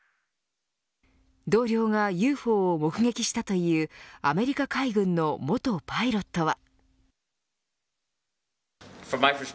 同僚がＵＦＯを目撃したというアメリカ海軍の元パイロットは。